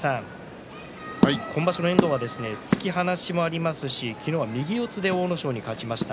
今場所の遠藤は突き放しもありますし、昨日は右四つで阿武咲に勝ちました。